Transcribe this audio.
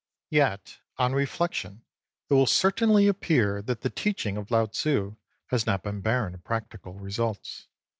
Yet, on reflection, it will certainly appeal that the teaching of Lao Tztt has not been barren of practical results.